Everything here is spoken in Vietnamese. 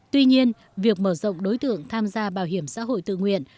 tuy nhiên việc mở rộng đối tượng tham gia bảo hiểm xã hội tự nguyện